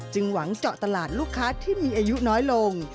หวังเจาะตลาดลูกค้าที่มีอายุน้อยลง